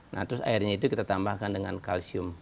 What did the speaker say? nah terus airnya itu kita tambahkan dengan kalsium